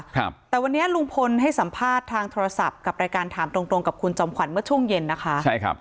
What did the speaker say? ครับแต่วันนี้ลุงพลให้สัมภาษณ์ทางโทรศัพท์กับรายการถามตรงตรงกับคุณจอมขวัญเมื่อช่วงเย็นนะคะใช่ครับ